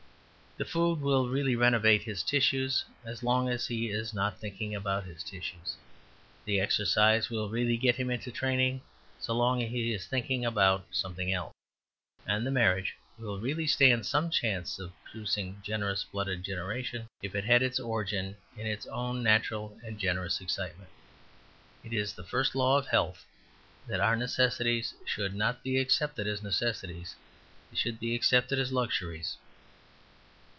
The food will really renovate his tissues as long as he is not thinking about his tissues. The exercise will really get him into training so long as he is thinking about something else. And the marriage will really stand some chance of producing a generous blooded generation if it had its origin in its own natural and generous excitement. It is the first law of health that our necessities should not be accepted as necessities; they should be accepted as luxuries.